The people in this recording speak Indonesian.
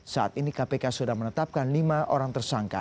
saat ini kpk sudah menetapkan lima orang tersangka